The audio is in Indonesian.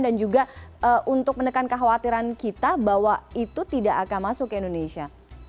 dan juga untuk menekan kekhawatiran kita bahwa itu tidak akan masuk ke indonesia